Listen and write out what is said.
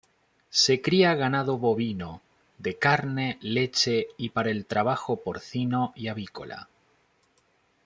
Se cría ganado bovino de carne, leche y para el trabajo, porcino y avícola.